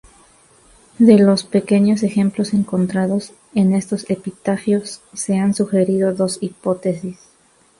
De los pequeños ejemplos encontrados en estos epitafios, se han sugerido dos hipótesis.